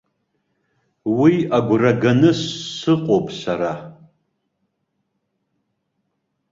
Уи агәра ганы сыҟоуп сара.